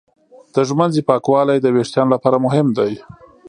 د ږمنځې پاکوالی د وېښتانو لپاره مهم دی.